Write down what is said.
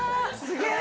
すげえ